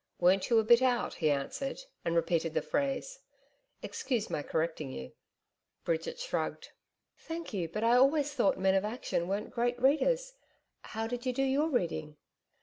'Weren't you a bit out?' he answered, and repeated the phrase. 'Excuse my correcting you.' Bridget shrugged. 'Thank you. But I always thought men of action weren't great readers. How did you do your reading?'